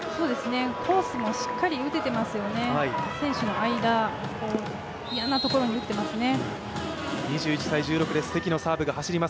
コースもしっかり打ててますよね、選手の間、嫌なところに打ってますね。